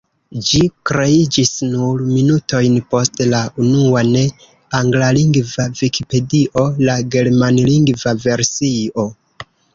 Ĝi kreiĝis nur minutojn post la unua ne-anglalingva vikipedio, la germanlingva versio.